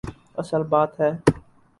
اصل بات ہے۔